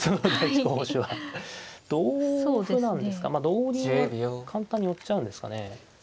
同銀は簡単に寄っちゃうんですかね。